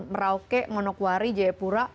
merauke monokwari jayapura